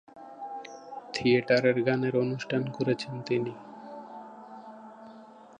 থিয়েটারের গানের অনুষ্ঠান করেছেন তিনি।